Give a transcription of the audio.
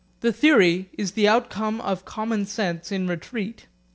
The theory is the outcome of common sense in retreat.